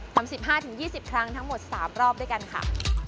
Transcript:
ทำ๑๕๒๐ครั้งทั้งหมด๓รอบด้วยกันค่ะ